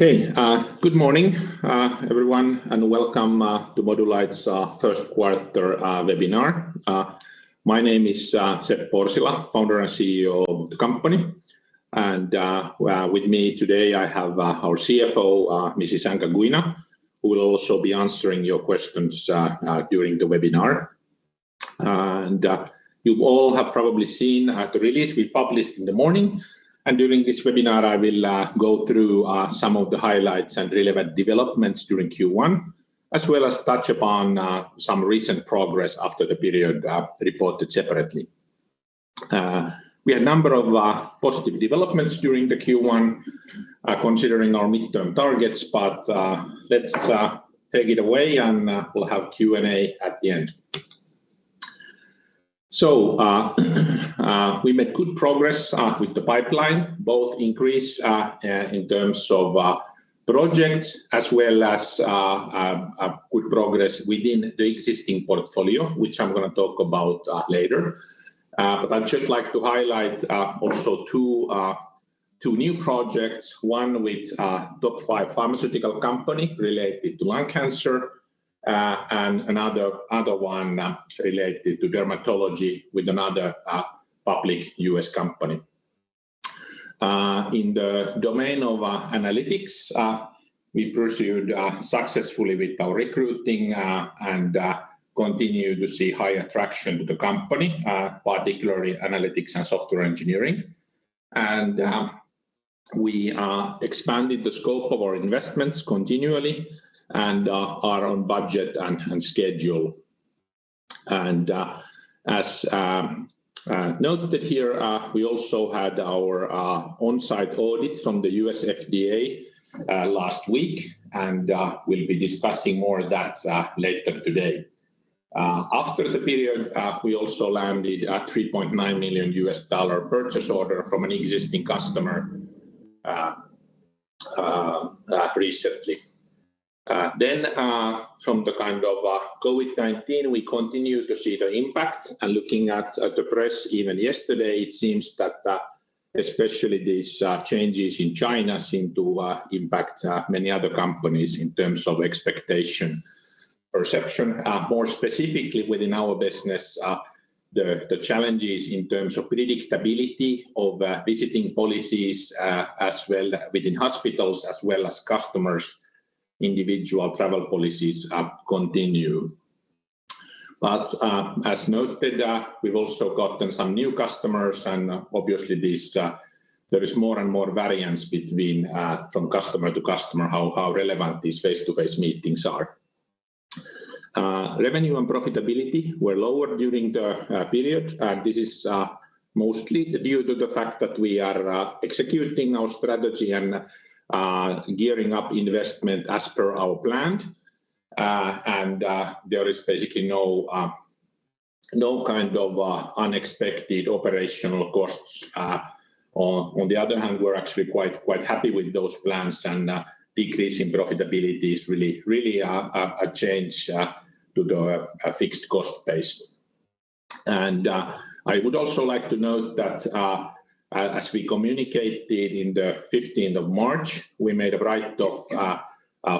Okay. Good morning, everyone, and welcome to Modulight's first quarter webinar. My name is Seppo Orsila, Founder and CEO of the company. With me today I have our CFO, Mrs. Anca Guina, who will also be answering your questions during the webinar. You all have probably seen the release we published in the morning, and during this webinar I will go through some of the highlights and relevant developments during Q1, as well as touch upon some recent progress after the period reported separately. We had a number of positive developments during the Q1, considering our midterm targets, but let's take it away and we'll have Q&A at the end. We made good progress with the pipeline, both an increase in terms of projects as well as good progress within the existing portfolio, which I'm gonna talk about later. But I'd just like to highlight also two new projects, one with a top five pharmaceutical company related to lung cancer, and another one related to dermatology with another public U.S. company. In the domain of analytics, we pursued successfully with our recruiting and continue to see high attraction to the company, particularly analytics and software engineering. We expanded the scope of our investments continually and are on budget and schedule. As noted here, we also had our on-site audit from the U.S. FDA last week, and we'll be discussing more of that later today. After the period, we also landed a $3.9 million purchase order from an existing customer recently. From the kind of COVID-19, we continue to see the impact, and looking at the press even yesterday, it seems that especially these changes in China seem to impact many other companies in terms of expectation perception. More specifically within our business, the challenges in terms of predictability of visiting policies as well within hospitals, as well as customers' individual travel policies continue. As noted, we've also gotten some new customers and obviously this there is more and more variance between from customer to customer, how relevant these face-to-face meetings are. Revenue and profitability were lower during the period. This is mostly due to the fact that we are executing our strategy and gearing up investment as per our plan. There is basically no kind of unexpected operational costs. On the other hand, we're actually quite happy with those plans, and decrease in profitability is really a change to the fixed cost base. I would also like to note that as we communicated in the March 15, we made a write-off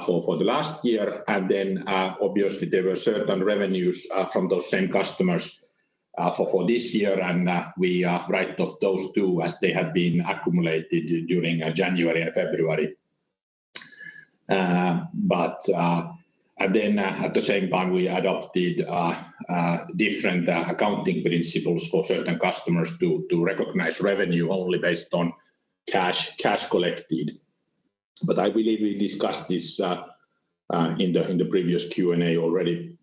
for the last year, and then obviously there were certain revenues from those same customers for this year, and we write off those too as they had been accumulated during January and February. At the same time, we adopted different accounting principles for certain customers to recognize revenue only based on cash collected. I believe we discussed this in the previous Q&A already.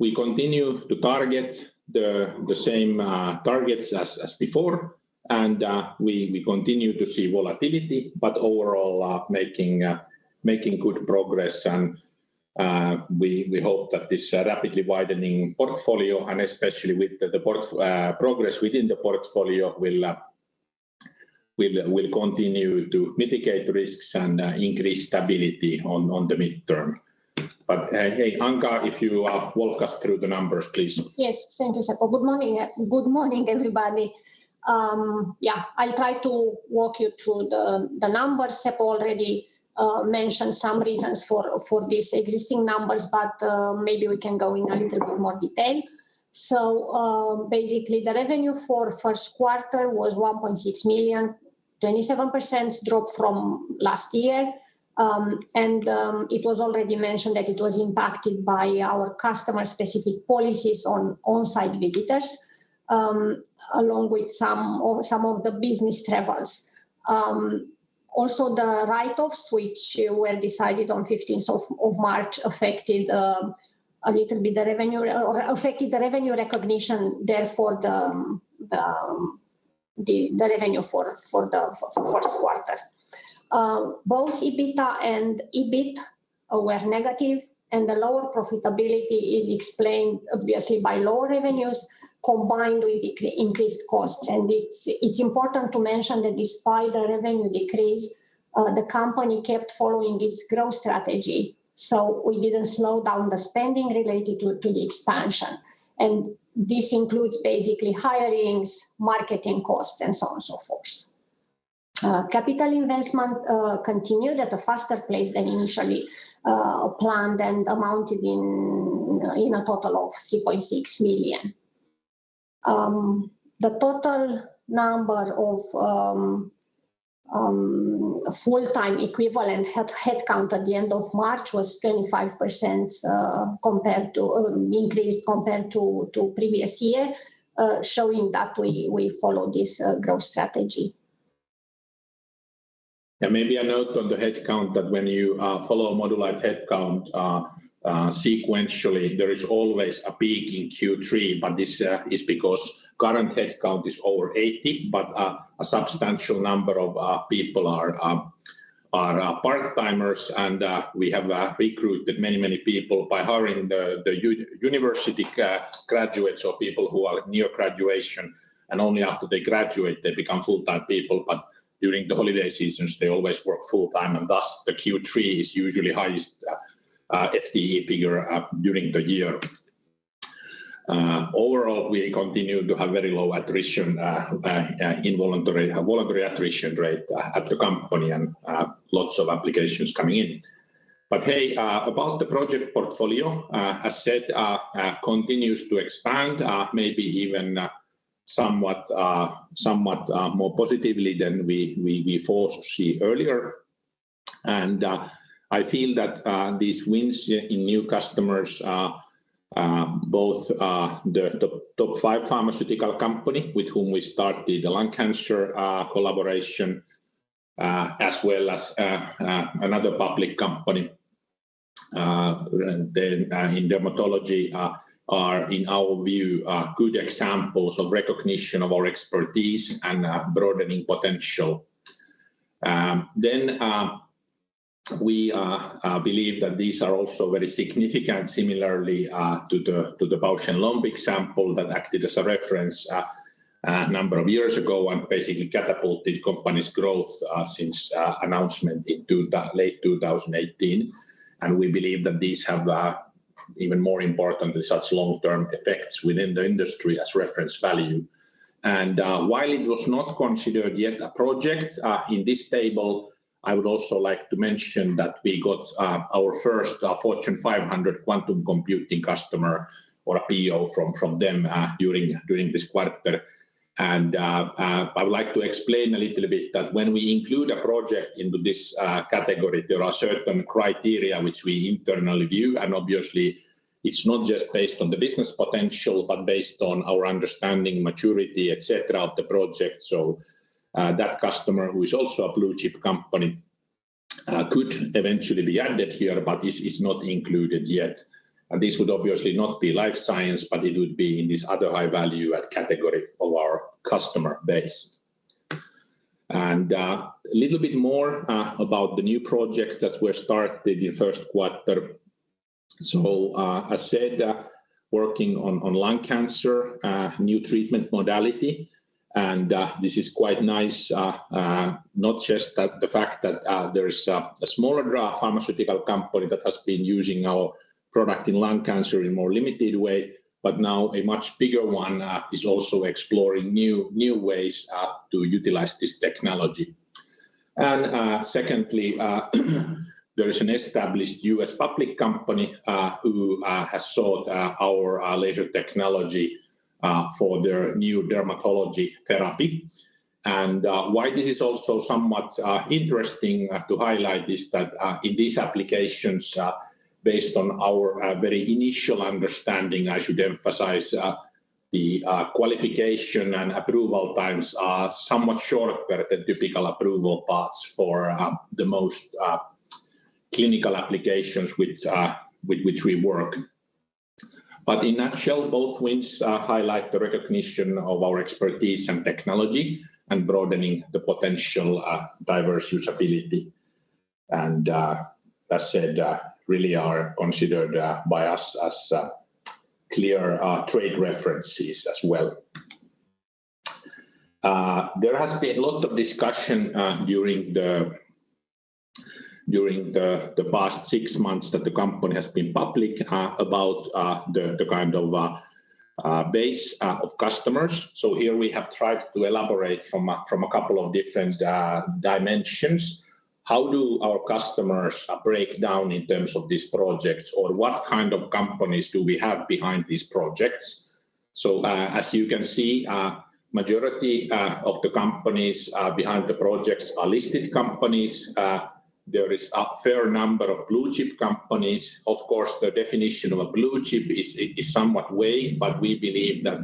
We continue to target the same targets as before. We continue to see volatility, but overall, making good progress and we hope that this rapidly widening portfolio, and especially with the progress within the portfolio will continue to mitigate risks and increase stability on the midterm. Hey, Anca, if you walk us through the numbers, please. Yes. Thank you, Seppo. Good morning, everybody. Yeah, I'll try to walk you through the numbers. Seppo already mentioned some reasons for these existing numbers, but maybe we can go in a little bit more detail. Basically the revenue for first quarter was 1.6 million, 27% drop from last year. It was already mentioned that it was impacted by our customer-specific policies on on-site visitors, along with some of the business travels. Also the write-offs which were decided on March 15 affected a little bit the revenue or affected the revenue recognition, therefore the revenue for the first quarter. Both EBITDA and EBIT were negative, and the lower profitability is explained obviously by lower revenues combined with increased costs. It's important to mention that despite the revenue decrease, the company kept following its growth strategy, so we didn't slow down the spending related to the expansion. This includes basically hirings, marketing costs, and so on and so forth. Capital investment continued at a faster pace than initially planned and amounted to a total of 3.6 million. The total number of full-time equivalent headcount at the end of March increased 25% compared to previous year, showing that we follow this growth strategy. Maybe a note on the headcount that when you follow Modulight headcount sequentially, there is always a peak in Q3, but this is because current headcount is over 80, but a substantial number of people are part-timers, and we have recruited many, many people by hiring the university graduates or people who are near graduation, and only after they graduate they become full-time people. During the holiday seasons, they always work full-time, and thus the Q3 is usually highest FTE figure during the year. Overall, we continue to have very low voluntary attrition rate at the company and lots of applications coming in. Hey, about the project portfolio, as said, continues to expand, maybe even somewhat more positively than we foresee earlier. I feel that these wins in new customers are both the top five pharmaceutical company with whom we started the lung cancer collaboration as well as another public company then in dermatology are in our view good examples of recognition of our expertise and broadening potential. We believe that these are also very significant similarly to the Bausch + Lomb example that acted as a reference a number of years ago, and basically catapulted company's growth since announcement into late 2018. We believe that these have even more importantly, such long-term effects within the industry as reference value. While it was not considered yet a project in this table, I would also like to mention that we got our first Fortune 500 quantum computing customer or a PO from them during this quarter. I would like to explain a little bit that when we include a project into this category, there are certain criteria which we internally view, and obviously it's not just based on the business potential, but based on our understanding, maturity, et cetera, of the project. That customer, who is also a blue chip company, could eventually be added here, but this is not included yet. This would obviously not be life science, but it would be in this other high value add category of our customer base. A little bit more about the new projects that were started in first quarter. As said, working on lung cancer, new treatment modality, and this is quite nice. Not just the fact that there is a smaller pharmaceutical company that has been using our product in lung cancer in more limited way, but now a much bigger one is also exploring new ways to utilize this technology. Secondly, there is an established U.S. public company who has sought our laser technology for their new dermatology therapy. Why this is also somewhat interesting to highlight is that in these applications, based on our very initial understanding, I should emphasize, the qualification and approval times are somewhat shorter than typical approval paths for the most clinical applications with which we work. In a nutshell, both wins highlight the recognition of our expertise and technology and broadening the potential diverse usability. That said, really are considered by us as clear trade references as well. There has been a lot of discussion during the past six months that the company has been public about the kind of base of customers. Here we have tried to elaborate from a couple of different dimensions. How do our customers break down in terms of these projects? Or what kind of companies do we have behind these projects? As you can see, majority of the companies behind the projects are listed companies. There is a fair number of blue chip companies. Of course, the definition of a blue chip is somewhat vague, but we believe that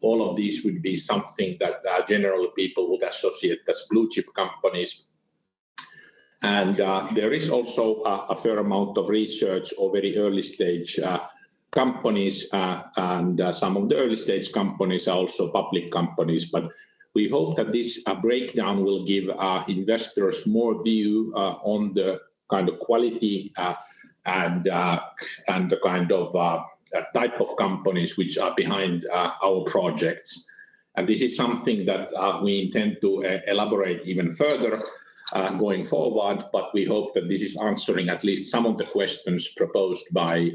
all of these would be something that general people would associate as blue chip companies. There is also a fair amount of research or very early stage companies, and some of the early-stage companies are also public companies. We hope that this breakdown will give investors more of a view on the kind of quality and the kind of type of companies which are behind our projects. This is something that we intend to elaborate even further going forward, but we hope that this is answering at least some of the questions proposed by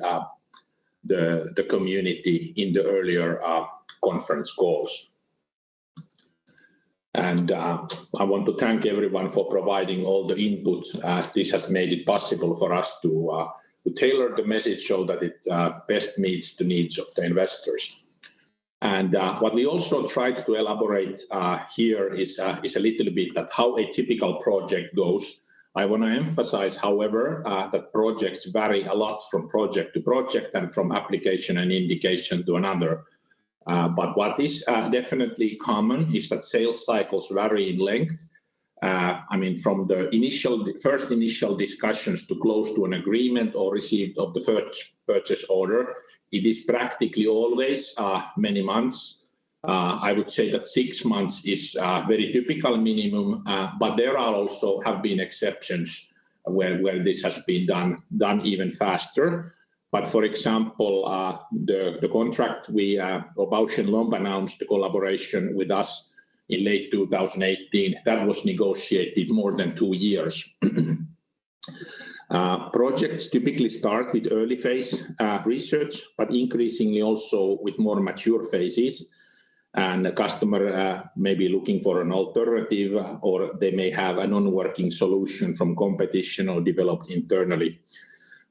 the community in the earlier conference calls. I want to thank everyone for providing all the inputs, as this has made it possible for us to tailor the message so that it best meets the needs of the investors. What we also tried to elaborate here is a little bit about how a typical project goes. I wanna emphasize, however, that projects vary a lot from project to project and from application and indication to another. What is definitely common is that sales cycles vary in length. I mean, from the initial discussions to close to an agreement or receipt of the purchase order, it is practically always many months. I would say that six months is very typical minimum, but there are also have been exceptions where this has been done even faster. For example, the contract Bausch + Lomb announced a collaboration with us in late 2018, that was negotiated more than two years. Projects typically start with early phase research, but increasingly also with more mature phases, and the customer may be looking for an alternative, or they may have a non-working solution from competition or developed internally.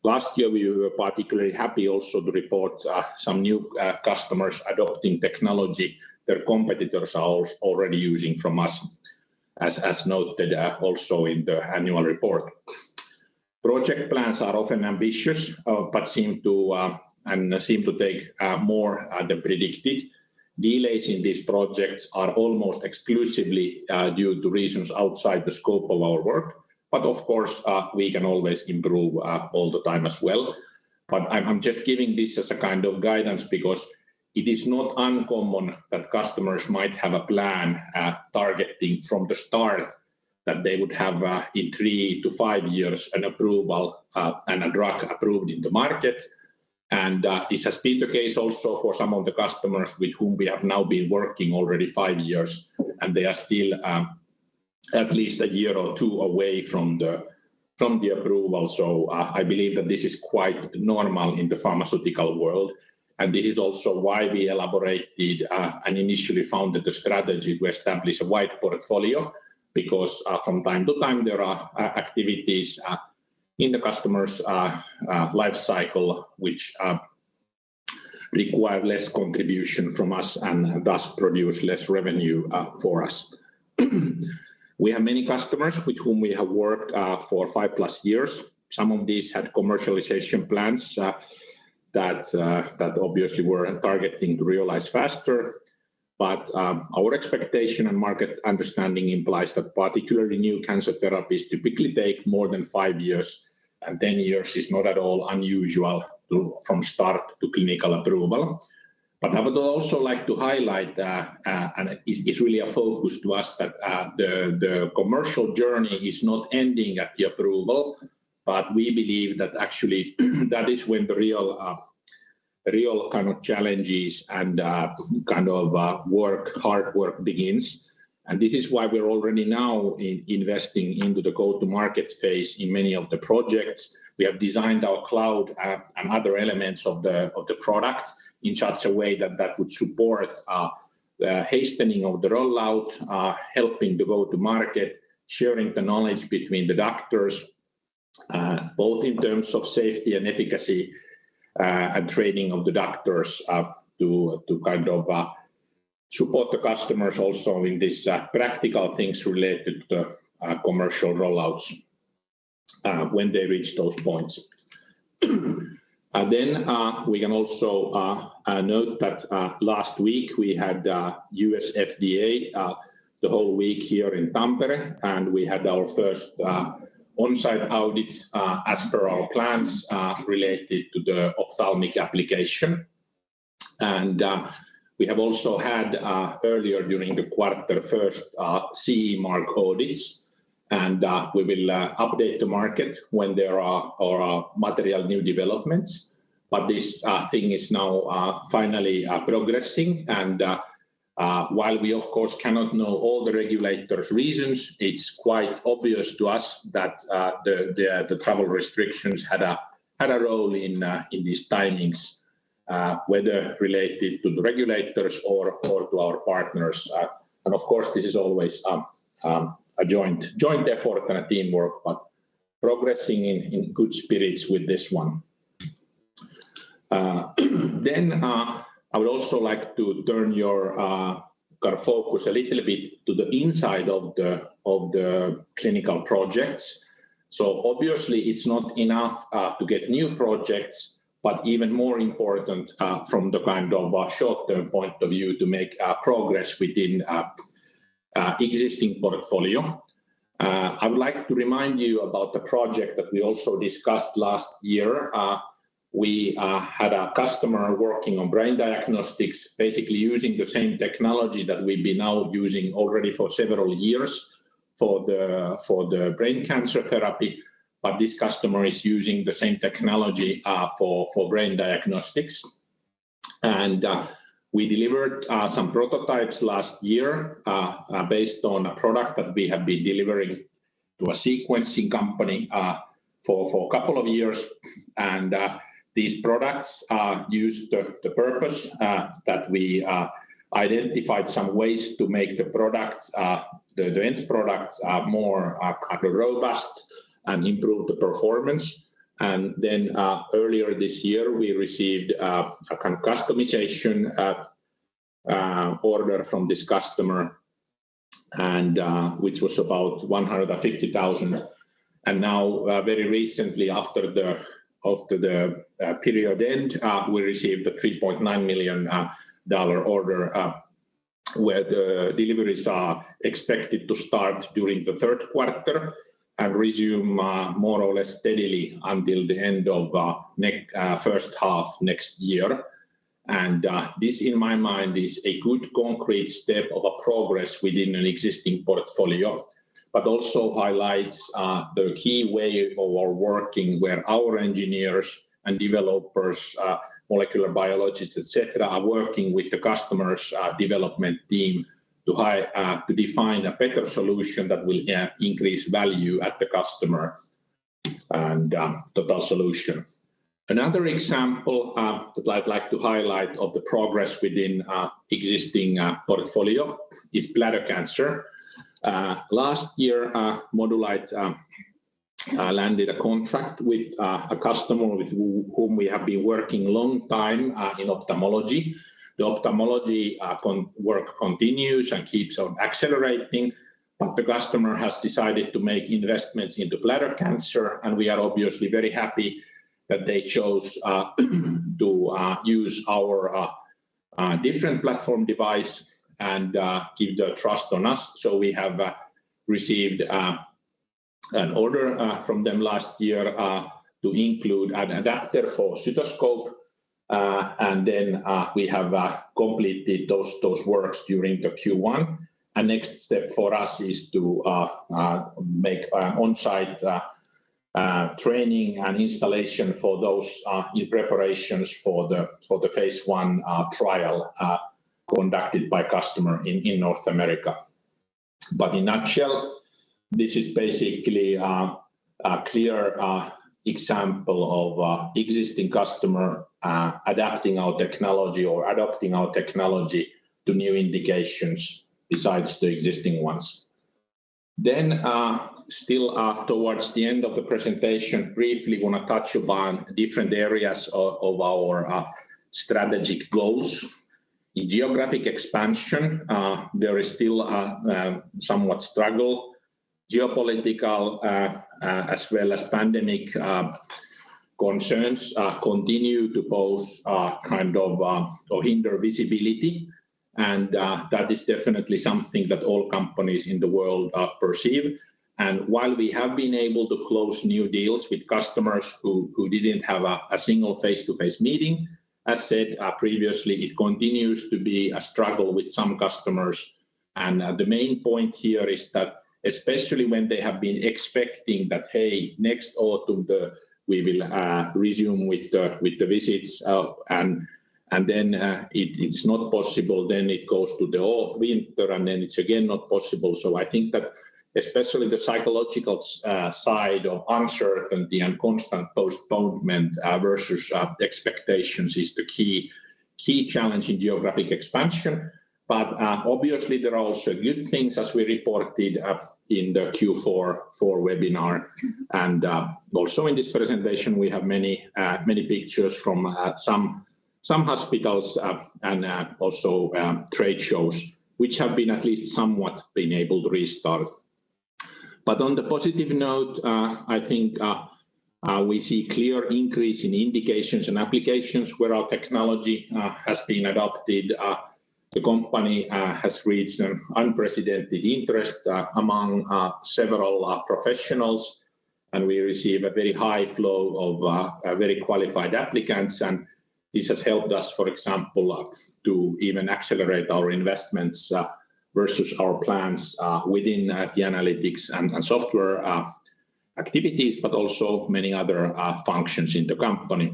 Last year, we were particularly happy also to report some new customers adopting technology their competitors are already using from us, as noted also in the annual report. Project plans are often ambitious, but seem to take more than predicted. Delays in these projects are almost exclusively due to reasons outside the scope of our work, but of course, we can always improve all the time as well. I'm just giving this as a kind of guidance because it is not uncommon that customers might have a plan targeting from the start that they would have in three to five years an approval and a drug approved in the market. This has been the case also for some of the customers with whom we have now been working already five years, and they are still at least one year or two away from the approval. I believe that this is quite normal in the pharmaceutical world, and this is also why we elaborated and initially founded the strategy to establish a wide portfolio, because from time to time, there are activities in the customer's life cycle which require less contribution from us and thus produce less revenue for us. We have many customers with whom we have worked for five-plus years. Some of these had commercialization plans that obviously we're targeting to realize faster. Our expectation and market understanding implies that particularly new cancer therapies typically take more than five years, and 10 years is not at all unusual from start to clinical approval. I would also like to highlight, and it is, it's really a focus to us that, the commercial journey is not ending at the approval, but we believe that actually that is when the real kind of challenges and kind of hard work begins. This is why we're already now investing into the go-to-market phase in many of the projects. We have designed our cloud app and other elements of the product in such a way that would support the hastening of the rollout, helping the go to market, sharing the knowledge between the doctors, both in terms of safety and efficacy, and training of the doctors, to kind of support the customers also in this practical things related to the commercial rollouts, when they reach those points. We can also note that last week we had U.S. FDA the whole week here in Tampere, and we had our first on-site audits as per our plans related to the ophthalmic application. We have also had earlier during the quarter first CE mark audits, and we will update the market when there are material new developments. This thing is now finally progressing. While we of course cannot know all the regulators' reasons, it's quite obvious to us that the travel restrictions had a role in these timings, whether related to the regulators or to our partners. Of course, this is always a joint effort and a teamwork, but progressing in good spirits with this one. I would also like to turn your kind of focus a little bit to the inside of the clinical projects. Obviously it's not enough to get new projects, but even more important from the kind of a short-term point of view to make progress within existing portfolio. I would like to remind you about the project that we also discussed last year. We had a customer working on brain diagnostics, basically using the same technology that we've been now using already for several years. For the brain cancer therapy, but this customer is using the same technology for brain diagnostics. We delivered some prototypes last year based on a product that we have been delivering to a sequencing company for a couple of years. These products served the purpose that we identified some ways to make the products, the end products, more kind of robust and improve the performance. Earlier this year, we received a kind of customization order from this customer, which was about 150 thousand. Very recently after the period end, we received a $3.9 million order, where the deliveries are expected to start during the third quarter and resume more or less steadily until the end of the first half next year. This in my mind is a good concrete step of a progress within an existing portfolio, but also highlights the key way of our working where our engineers and developers, molecular biologists, etc., are working with the customer's development team to define a better solution that will increase value at the customer and total solution. Another example that I'd like to highlight of the progress within existing portfolio is bladder cancer. Last year Modulight landed a contract with a customer with whom we have been working long time in ophthalmology. The ophthalmology work continues and keeps on accelerating, but the customer has decided to make investments into bladder cancer, and we are obviously very happy that they chose to use our different platform device and keep the trust on us. We have received an order from them last year to include an adapter for cystoscope, and then we have completed those works during the Q1. A next step for us is to make on-site training and installation for those in preparations for the phase I trial conducted by customer in North America. In a nutshell, this is basically a clear example of a existing customer adapting our technology or adopting our technology to new indications besides the existing ones. Still, towards the end of the presentation, briefly wanna touch upon different areas of our strategic goals. In geographic expansion, there is still somewhat of a struggle. Geopolitical, as well as pandemic, concerns continue to pose or hinder visibility. That is definitely something that all companies in the world perceive. While we have been able to close new deals with customers who didn't have a single face-to-face meeting, as said previously, it continues to be a struggle with some customers. The main point here is that especially when they have been expecting that, "Hey, next autumn, we will resume with the visits," and then it's not possible, then it goes to the winter, and then it's again not possible. I think that especially the psychological side of uncertainty and constant postponement versus expectations is the key challenge in geographic expansion. Obviously, there are also good things as we reported in the Q4 for webinar. Also in this presentation, we have many pictures from some hospitals and also trade shows, which have been at least somewhat able to restart. On the positive note, I think we see clear increase in indications and applications where our technology has been adopted. The company has reached an unprecedented interest among several professionals, and we receive a very high flow of very qualified applicants. This has helped us, for example, to even accelerate our investments versus our plans within the analytics and software activities, but also many other functions in the company.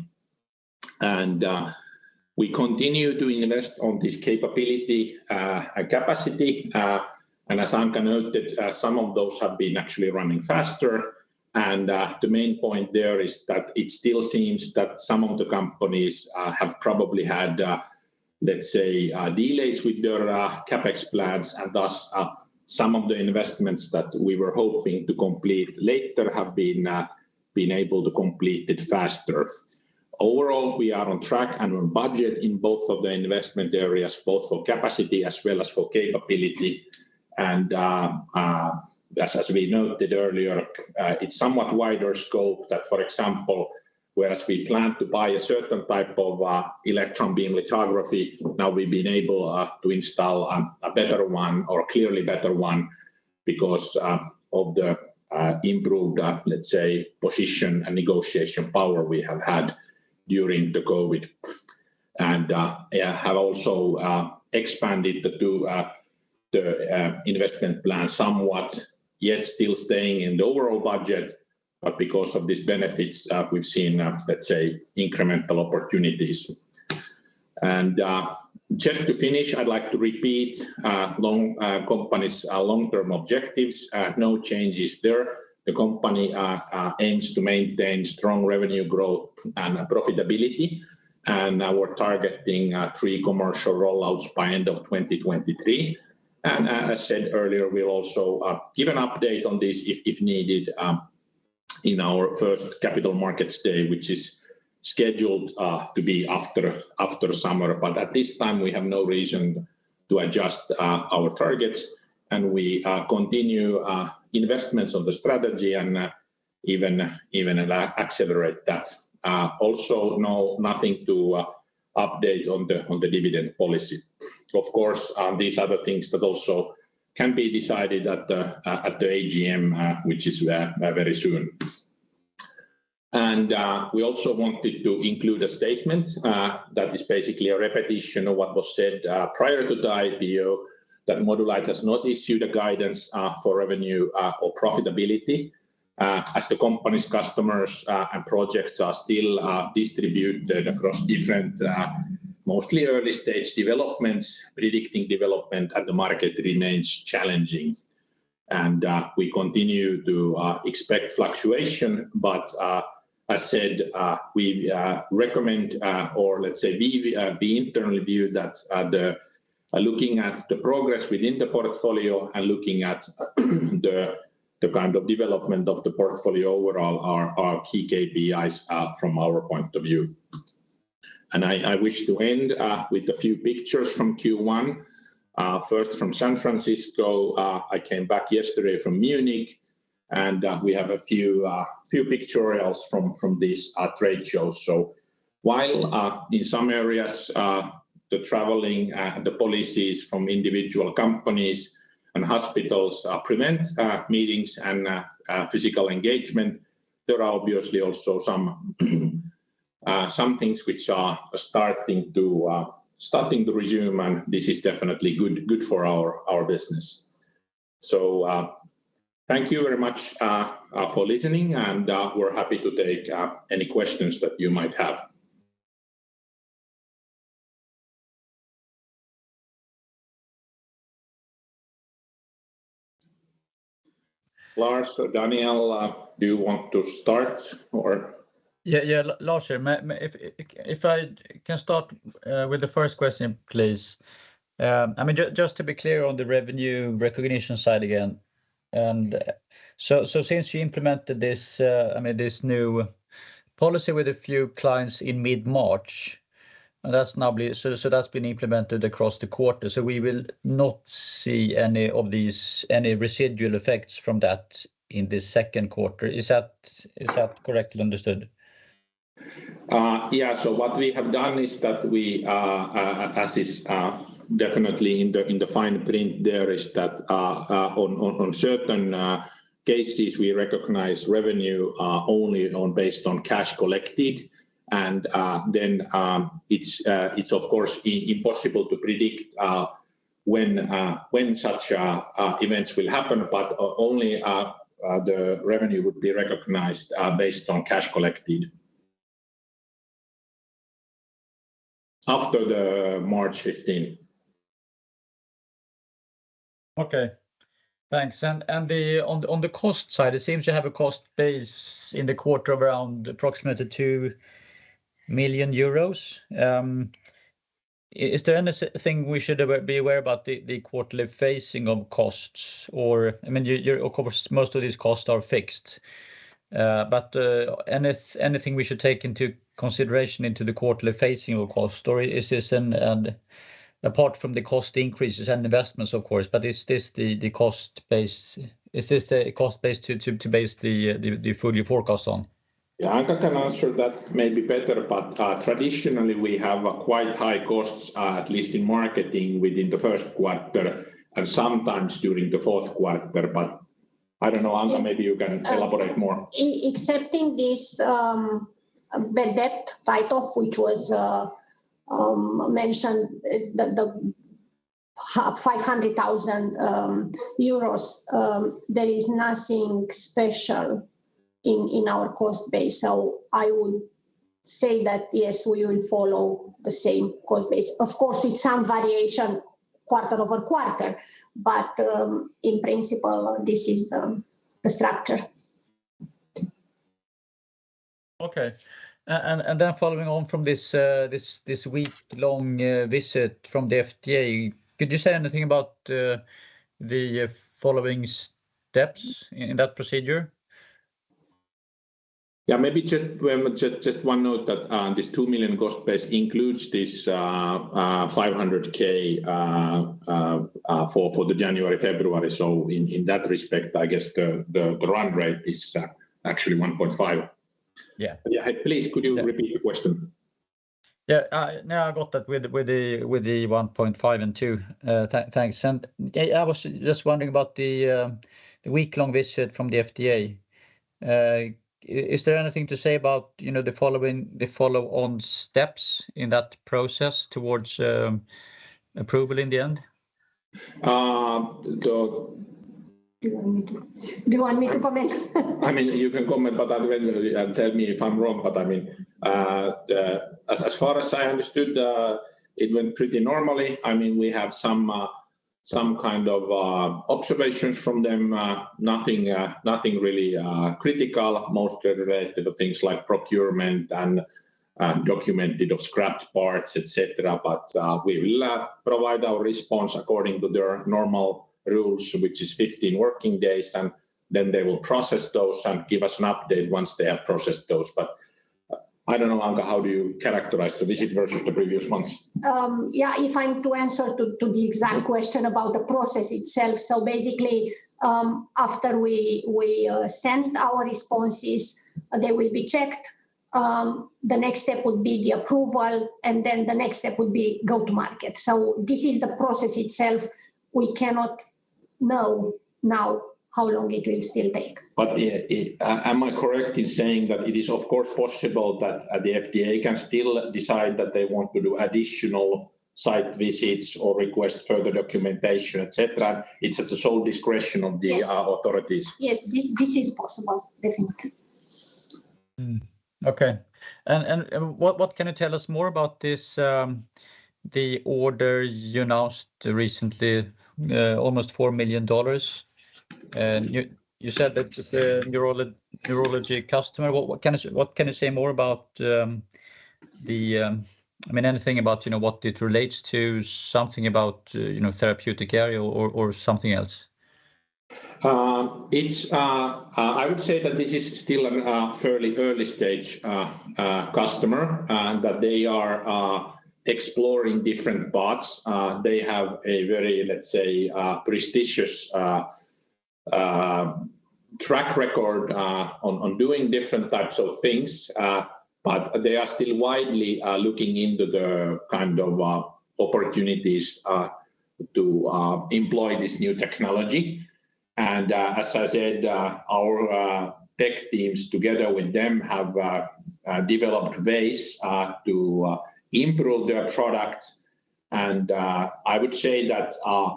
We continue to invest on this capability, capacity. As Anca noted, some of those have been actually running faster. The main point there is that it still seems that some of the companies have probably had, let's say, delays with their CapEx plans, and thus some of the investments that we were hoping to complete later have been able to complete it faster. Overall, we are on track and on budget in both of the investment areas, both for capacity as well as for capability. As we noted earlier, it's somewhat wider scope than, for example, whereas we plan to buy a certain type of electron beam lithography, now we've been able to install a better one or clearly better one because of the improved, let's say, position and negotiation power we have had during the COVID. We have also expanded the investment plan somewhat, yet still staying in the overall budget. Because of these benefits, we've seen, let's say, incremental opportunities. Just to finish, I'd like to repeat the company's long-term objectives. No changes there. The company aims to maintain strong revenue growth and profitability, and we're targeting three commercial rollouts by end of 2023. As said earlier, we'll also give an update on this if needed in our first capital markets day, which is scheduled to be after summer. At this time, we have no reason to adjust our targets. We continue investments of the strategy and even accelerate that. Also, nothing to update on the dividend policy. Of course, these are the things that also can be decided at the AGM, which is very soon. We also wanted to include a statement that is basically a repetition of what was said prior to the IPO, that Modulight has not issued a guidance for revenue or profitability. As the company's customers and projects are still distributed across different mostly early-stage developments, predicting the development of the market remains challenging. We continue to expect fluctuation. As I said, we recommend or let's say we internally view that looking at the progress within the portfolio and looking at the kind of development of the portfolio overall are key KPIs from our point of view. I wish to end with a few pictures from Q1. First from San Francisco. I came back yesterday from Munich, and we have a few pictures from this trade show. While in some areas the traveling policies from individual companies and hospitals prevent meetings and physical engagement, there are obviously also some things which are starting to resume, and this is definitely good for our business. Thank you very much for listening, and we're happy to take any questions that you might have. Lars, Daniel, do you want to start or? Yeah, yeah. Lars here. If I can start with the first question, please. I mean, just to be clear on the revenue recognition side again. So since you implemented this, I mean, this new policy with a few clients in mid-March, and that's now been implemented across the quarter. We will not see any of these residual effects from that in the second quarter. Is that correctly understood? Yeah. What we have done is that we as is definitely in the fine print there is that on certain cases we recognize revenue only based on cash collected. It's of course impossible to predict when such events will happen. Only the revenue would be recognized based on cash collected after March 15. Okay. Thanks. On the cost side, it seems you have a cost base in the quarter of around approximately 2 million euros. Is there anything we should be aware about the quarterly phasing of costs? Or I mean, of course, most of these costs are fixed. Anything we should take into consideration into the quarterly phasing of cost. Apart from the cost increases and investments, of course, but is this the cost base? Is this the cost base to base the fully forecast on? Yeah. Anca can answer that maybe better, but, traditionally, we have quite high costs, at least in marketing, within the first quarter and sometimes during the fourth quarter. I don't know. Anca, maybe you can elaborate more. Excepting this bad debt write-off, which was mentioned, it's 500 thousand euros, there is nothing special in our cost base. I would say that yes, we will follow the same cost base. Of course, it's some variation quarter-over-quarter, but in principle, this is the structure. Okay. Following on from this week-long visit from the FDA, could you say anything about the following steps in that procedure? Yeah. Maybe just one note that this 2 million cost base includes this 500 thousand for January, February. In that respect, I guess the run rate is actually 1.5. Yeah. Yeah. Please, could you repeat your question? Yeah, now I got that with the 1.5 and 2. Thanks. Yeah, I was just wondering about the week-long visit from the FDA. Is there anything to say about, you know, the follow-on steps in that process towards approval in the end? Um, the- Do you want me to comment? I mean, you can comment, but I'd rather you tell me if I'm wrong. I mean, as far as I understood, it went pretty normally. I mean, we have some kind of observations from them. Nothing really critical. Most related to things like procurement and documentation of scrapped parts, et cetera. We will provide our response according to their normal rules, which is 15 working days, and then they will process those and give us an update once they have processed those. I don't know, Anca, how do you characterize the visit versus the previous ones? Yeah, if I'm to answer to the exact question about the process itself, basically, after we send our responses, they will be checked. The next step would be the approval, and then the next step would be go to market. This is the process itself. We cannot know now how long it will still take. I am correct in saying that it is of course possible that the FDA can still decide that they want to do additional site visits or request further documentation, et cetera? It's at the sole discretion of the. Yes Authorities. Yes. This is possible, definitely. Okay. What can you tell us more about this, the order you announced recently, almost $4 million? You said that it's a neurology customer. What can you say more about, I mean, anything about, you know, what it relates to? Something about, you know, therapeutic area or something else? I would say that this is still a fairly early stage customer that they are exploring different paths. They have a very, let's say, prestigious track record on doing different types of things. They are still widely looking into the kind of opportunities to employ this new technology. As I said, our tech teams together with them have developed ways to improve their products and I would say that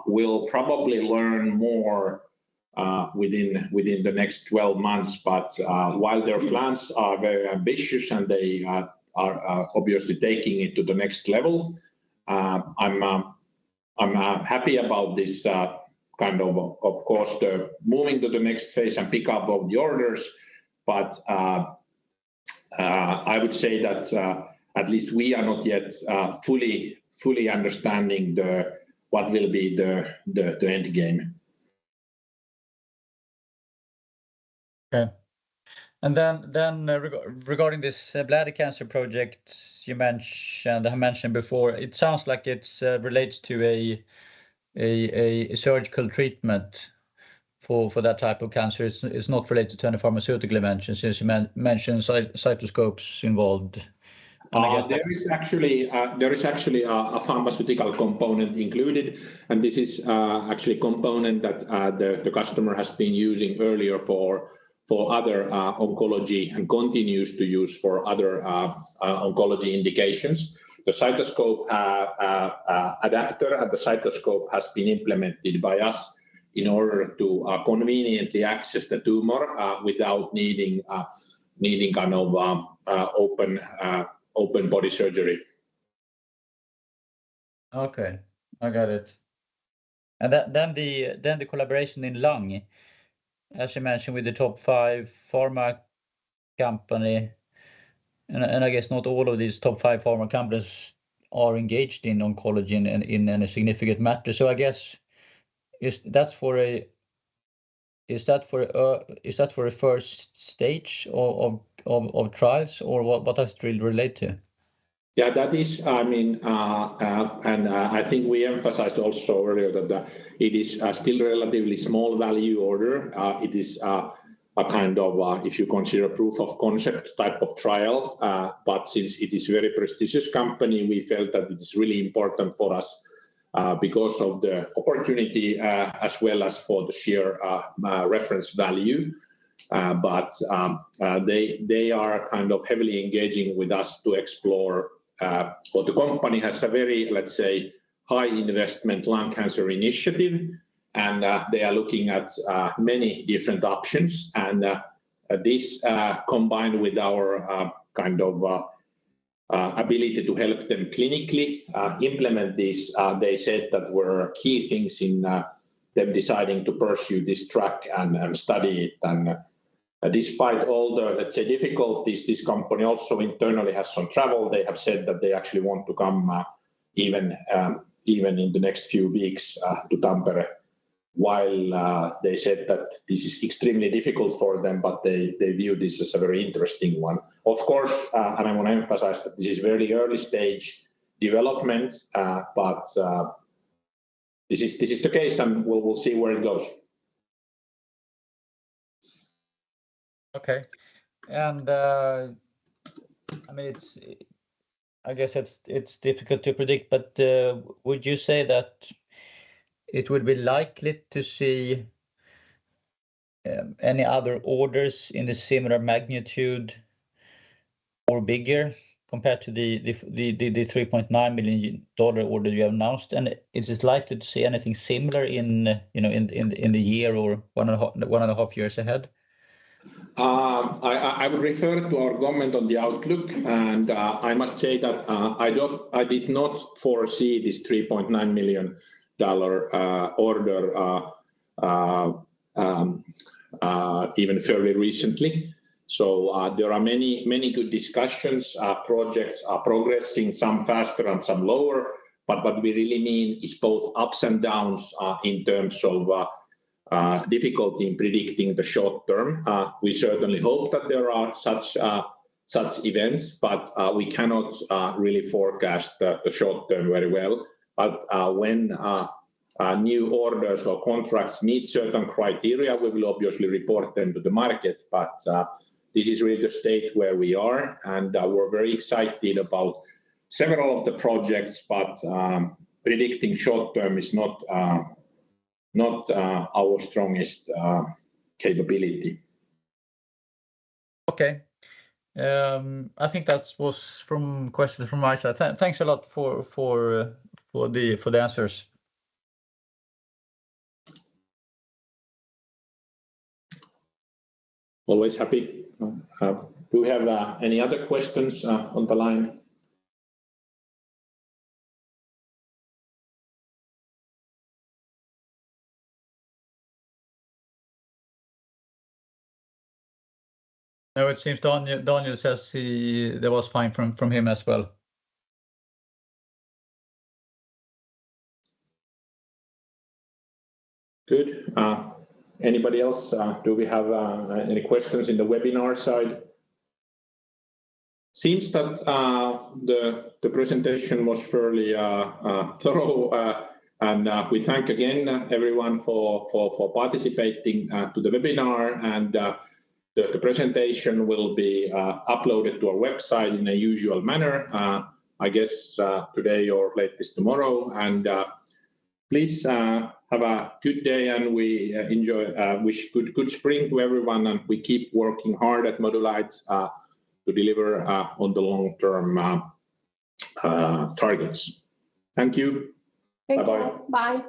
we'll probably learn more within the next 12 months. While their plans are very ambitious and they are obviously taking it to the next level, I'm happy about this kind of. Of course, they're moving to the next phase and pick up of the orders, but I would say that at least we are not yet fully understanding what will be the end game. Okay. Regarding this bladder cancer project you mentioned, I mentioned before, it sounds like it's relates to a surgical treatment for that type of cancer. It's not related to any pharmaceutical you mentioned, since you mentioned cystoscopes involved. I guess. There is actually a pharmaceutical component included, and this is actually a component that the customer has been using earlier for other oncology and continues to use for other oncology indications. The cystoscope adapter at the cystoscope has been implemented by us in order to conveniently access the tumor without needing kind of open body surgery. Okay. I got it. The collaboration in lung, as you mentioned, with the top five pharma company. I guess not all of these top five pharma companies are engaged in oncology in any significant matter. I guess, is that for a first stage of trials or what? What does it really relate to? Yeah, that is, I mean, I think we emphasized also earlier that it is still relatively small value order. It is a kind of, if you consider, proof of concept type of trial. Since it is very prestigious company, we felt that it is really important for us because of the opportunity as well as for the sheer reference value. They are kind of heavily engaging with us to explore. The company has a very, let's say, high investment lung cancer initiative, and they are looking at many different options. This combined with our kind of ability to help them clinically implement this, they said that were key things in them deciding to pursue this track and study it. Despite all the, let's say, difficulties, this company also internally has some trouble. They have said that they actually want to come even in the next few weeks to Tampere. While they said that this is extremely difficult for them, but they view this as a very interesting one. Of course, and I want to emphasize that this is very early stage development, but this is the case and we'll see where it goes. Okay. I mean, it's difficult to predict, but would you say that it would be likely to see any other orders in the similar magnitude or bigger compared to the $3.9 million order you have announced? Is it likely to see anything similar in, you know, in the year or one and a half years ahead? I would refer to our comment on the outlook. I must say that I did not foresee this $3.9 million order even fairly recently. There are many good discussions. Projects are progressing some faster and some slower, but what we really mean is both ups and downs in terms of difficulty in predicting the short term. We certainly hope that there are such events, but we cannot really forecast the short term very well. When new orders or contracts meet certain criteria, we will obviously report them to the market. This is really the state where we are and we're very excited about several of the projects. Predicting short term is not our strongest capability. Okay. I think that was the question from my side. Thanks a lot for the answers. Always happy. Do we have any other questions on the line? No, it seems Daniel says that was fine from him as well. Good. Anybody else? Do we have any questions in the webinar side? Seems that the presentation was fairly thorough. We thank again everyone for participating to the webinar and the presentation will be uploaded to our website in the usual manner, I guess, today or latest tomorrow. Please have a good day and we wish good spring to everyone and we keep working hard at Modulight to deliver on the long-term targets. Thank you. Bye-bye. Thanks all. Bye.